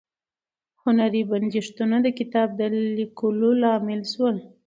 هنري بندښتونه د کتاب د لیکلو لامل شول.